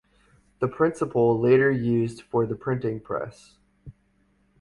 The principle later used for the printing press.